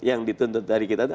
yang dituntut dari kita itu